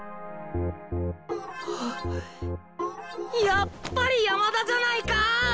やっぱり山田じゃないかー！